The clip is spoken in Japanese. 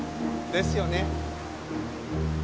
「ですよね」？